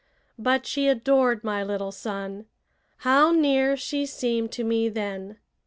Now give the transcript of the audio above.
But she adored my little son. How near she seemed to me then!